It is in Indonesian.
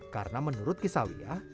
karena menurut kisawiyah